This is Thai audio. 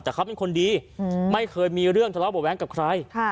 แต่เขาเป็นคนดีไม่เคยมีเรื่องทะเลาะเบาะแว้งกับใคร